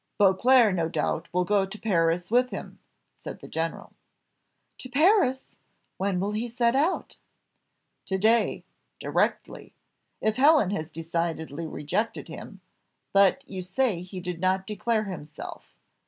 "Beauclerc, no doubt, will go to Paris with him," said the general. "To Paris! when will he set out?" "To day directly, if Helen has decidedly rejected him; but you say he did not declare himself.